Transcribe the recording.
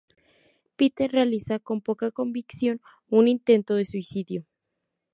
Peter realiza, con poca convicción, un intento de suicidio.